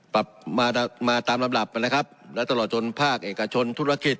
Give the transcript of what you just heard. ปรับมามาตามลำดับนะครับและตลอดจนภาคเอกชนธุรกิจ